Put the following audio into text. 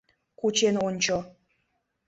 — Кучен ончо...